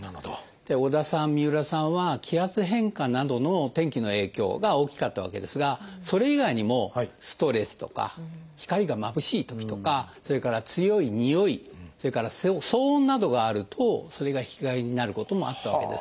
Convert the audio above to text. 織田さん三浦さんは気圧変化などの天気の影響が大きかったわけですがそれ以外にもストレスとか光がまぶしいときとかそれから強いにおいそれから騒音などがあるとそれが引き金になることもあったわけです。